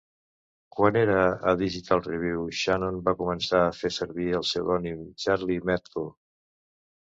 Quan era a "Digital Review", Shannon va començar a fer servir el pseudònim "Charlie Matco".